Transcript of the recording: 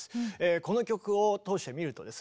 この曲を通してみるとですね